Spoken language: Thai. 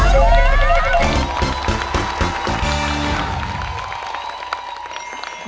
ดู